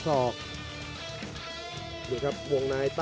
โอ้โห